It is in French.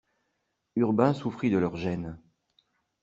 Urbain souffrit de leur gêne.